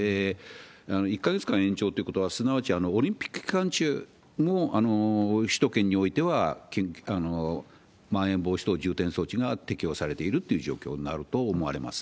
１か月延長ということは、すなわちオリンピック期間中も、首都圏においてはまん延防止等重点措置が適用されているっていう状況になると思われます。